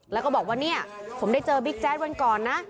แล้วก็บอกว่าผมได้เจอบิ๊กโจทย์วันก่อนนะ